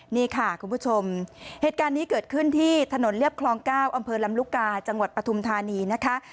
นี่ค่ะคุณผู้ชมเหตุการณ์นี้เกิดขึ้นที่ถนนเรียบคลอง๙อำเภอลำลูกกาจังหวัดปฐุมธานีนะคะ